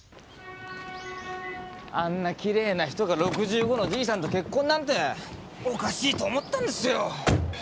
あんなきれいな人が６５のじいさんと結婚なんておかしいと思ったんですよ